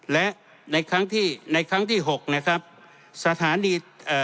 และในครั้งที่๖นะครับสถานี